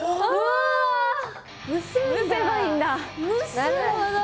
なるほど。